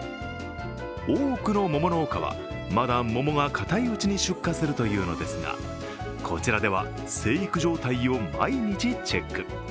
多くの桃農家はまだ桃が硬いうちに出荷するというのですが、こちらでは生育状態を毎日チェック。